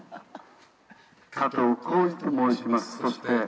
加藤浩次と申しますそして。